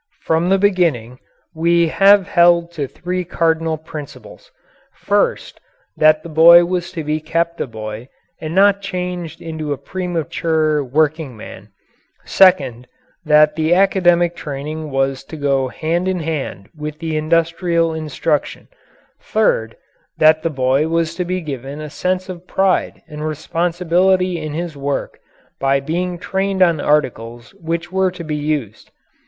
From the beginning we have held to three cardinal principles: first, that the boy was to be kept a boy and not changed into a premature working man; second, that the academic training was to go hand in hand with the industrial instruction; third, that the boy was to be given a sense of pride and responsibility in his work by being trained on articles which were to be used.